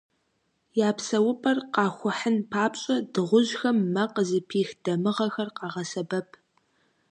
Я псэупӏэр «къахухьын» папщӏэ, дыгъужьхэм мэ къызыпих дамыгъэхэр къагъэсэбэп.